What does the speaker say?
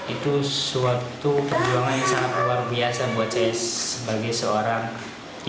itu suatu perjuangan yang sangat luar biasa buat saya sebagai seorang ibu